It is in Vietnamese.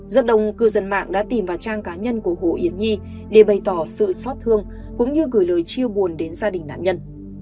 rất đông cư dân mạng đã tìm vào trang cá nhân của hồ yến nhi để bày tỏ sự xót thương cũng như gửi lời chia buồn đến gia đình nạn nhân